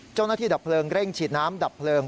เจ้าหน้าที่ดับเพลิงเร่งฉีดน้ำดับเพลิง